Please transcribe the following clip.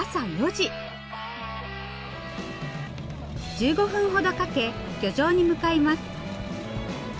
１５分ほどかけ漁場に向かいます。